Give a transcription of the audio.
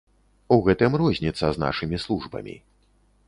У гэтым розніца з нашымі службамі.